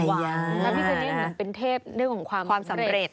พระพิษภณุเนสมัยเป็นเทพด้วยความสำเร็จ